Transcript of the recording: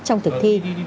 trong thực thi